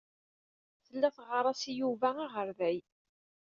Tella teɣɣar-as i Yuba aɣerday.